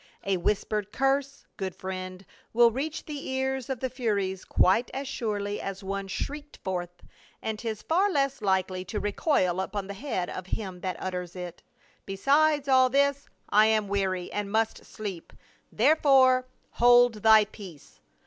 A whispered curse, good friend, will reach the ears of the furies quite as surely as one shrieked forth, and 'tis far less likely to recoil upon the head of him that utters it. Besides all this, T am weary and must sleep, therefore hold thy peace."